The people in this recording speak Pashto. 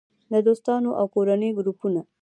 - د دوستانو او کورنۍ ګروپونه